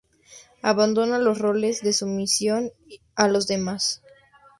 Abandona los roles de sumisión a los demás.